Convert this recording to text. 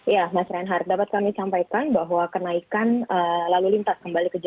ya mas renhardt dapat kami sampaikan bahwa kenaikan lalu lintas kembali kejadian